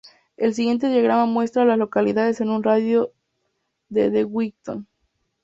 El siguiente diagrama muestra a las localidades en un radio de de Willington.